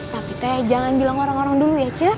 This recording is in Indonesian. tapi teh jangan bilang orang orang dulu ya cek